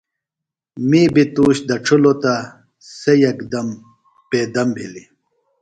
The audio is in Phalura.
می بیۡ تُوش دڇِھلوۡ تہ سےۡ یکدم بیدم بِھلیۡ۔